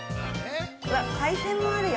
◆わっ、海鮮もあるよ。